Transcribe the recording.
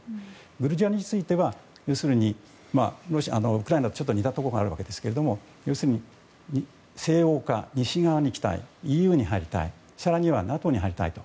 グルジアについてはウクライナと似たところがあるわけですけれども要するに西欧化、西側に行きたいＥＵに入りたい更にはＮＡＴＯに入りたいと。